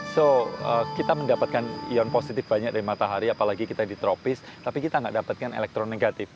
so kita mendapatkan ion positif banyak dari matahari apalagi kita di tropis tapi kita nggak dapatkan elektronegatif